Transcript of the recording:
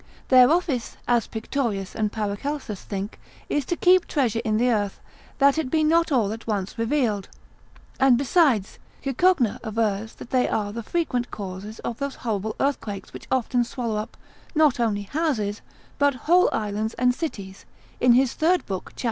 Their office, as Pictorius and Paracelsus think, is to keep treasure in the earth, that it be not all at once revealed; and besides, Cicogna avers that they are the frequent causes of those horrible earthquakes which often swallow up, not only houses, but whole islands and cities; in his third book, cap.